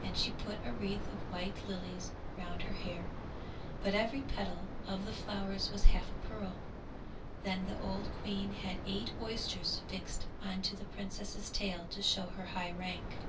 and she put a wreath of white lilies round her hair, but every petal of the flowers was half a pearl; then the old queen had eight oysters fixed on to the princess's tail to show her high rank.